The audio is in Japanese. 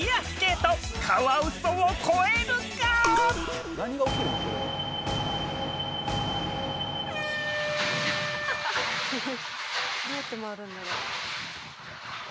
どうやって回るんだろ？